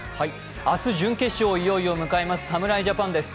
明日準決勝をいよいよ迎えます侍ジャパンです。